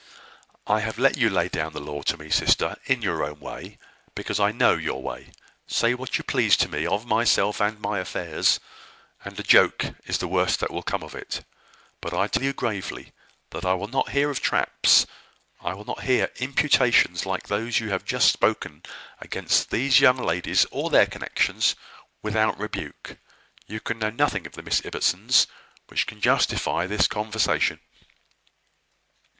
"I have let you lay down the law to me, sister, in your own way, because I know your way. Say what you please to me of myself and my affairs, and a joke is the worst that will come of it. But I tell you gravely, that I will not hear of traps I will not hear imputations like those you have just spoken against these young ladies or their connections, without rebuke. You can know nothing of the Miss Ibbotsons which can justify this conversation."